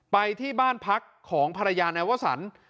ไปที่บ้านพักของภรรยานายวสัน